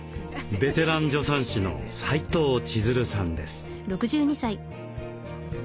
ベテラン助産師の斉藤千鶴さんです。